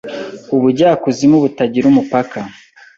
Ubujyakuzimu butagira umupaka